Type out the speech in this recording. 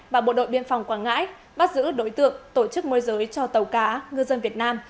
và bộ đội biên phòng quảng ngãi bắt giữ đối tượng tổ chức môi giới cho tàu cá ngư dân việt nam